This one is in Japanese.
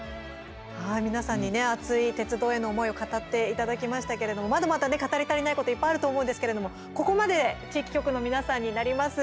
皆さんにね、熱い鉄道への思いを語っていただきましたけれどもまだまだ語り足りないこといっぱいあると思うんですけれども、ここまで地域局の皆さんになります。